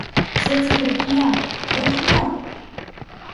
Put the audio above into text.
Все це брехня, брехня!